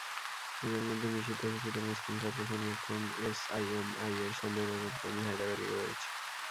এঁদের মধ্যে নিষিদ্ধঘোষিত মুসলিম ছাত্রসংগঠন এসআইএমআইয়ের সন্দেহভাজন কর্মী হায়দার আলীও রয়েছেন।